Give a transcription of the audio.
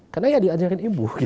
karena ya diajarin ibu